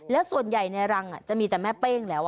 แล้วส่วนใหญ่ในรังจะมีแต่แม่เป้งแล้ว